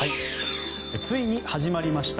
ついに始まりました